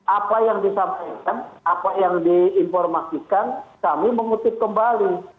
apa yang disampaikan apa yang diinformasikan kami mengutip kembali